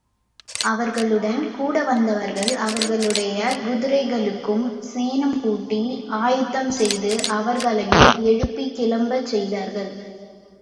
அவர்களுடன் கூட வந்தவர்கள் அவர்களுடைய குதிரைகளுக்கும், சேணம் பூட்டி ஆயத்தம் செய்து, அவர்களையும் எழுப்பிக் கிளம்பச் செய்தார்கள்.